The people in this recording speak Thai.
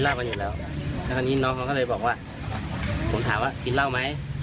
กันอยู่แล้วแล้วคราวนี้น้องเขาก็เลยบอกว่าผมถามว่ากินเหล้าไหม